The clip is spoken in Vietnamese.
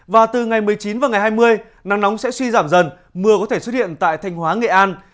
và từ ngày một mươi chín và ngày hai mươi nắng nóng sẽ suy giảm dần mưa có thể xuất hiện tại thanh hóa nghệ an